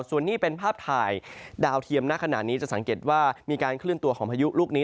ส่วนนี้เป็นภาพถ่ายดาวเทียมณขณะนี้จะสังเกตว่ามีการเคลื่อนตัวของพายุลูกนี้